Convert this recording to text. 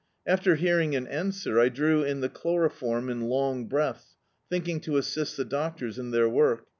After hearing an answer, I drew in the chloroform in long breaths, thinking to assist the doctors in their work.